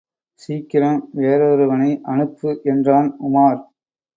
சீக்கிரம், வேறொருவனை அனுப்பு என்றான் உமார்.